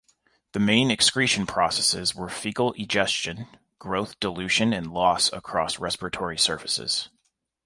The main excretion processes were fecal egestion, growth dilution and loss across respiratory surfaces.